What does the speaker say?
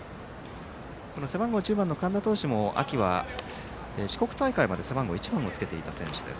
背番号１０番の神田投手も秋は四国大会で背番号１番をつけていた選手です。